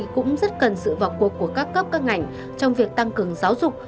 cũng rất cần sự vào cuộc của các cấp các ngành trong việc tăng cường giáo dục